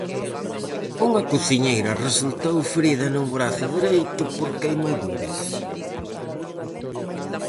Unha cociñeira resultou ferida no brazo dereito por queimaduras.